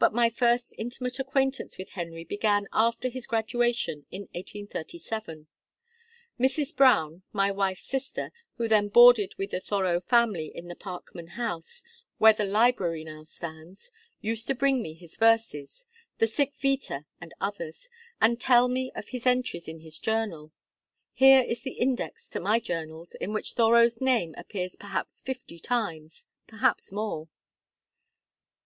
But my first intimate acquaintance with Henry began after his graduation in 1837. Mrs. Brown, my wife's sister, who then boarded with the Thoreau family in the Parkman house, where the Library now stands, used to bring me his verses (the "Sic Vita" and others), and tell me of his entries in his Journal. Here is the Index to my Journals, in which Thoreau's name appears perhaps fifty times, perhaps more.'"